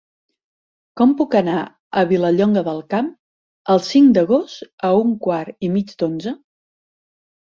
Com puc anar a Vilallonga del Camp el cinc d'agost a un quart i mig d'onze?